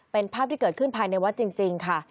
เป็นภาพที่เกิดขึ้นภายในวัดจริงค่ะ